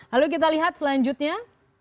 lalu kita lihat selanjutnya